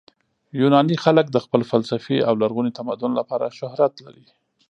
یوناني خلک د خپل فلسفې او لرغوني تمدن لپاره شهرت لري.